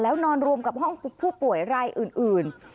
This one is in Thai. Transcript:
นอนรวมกับห้องผู้ป่วยรายอื่น